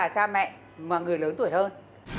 nếu mà chúng con kết hôn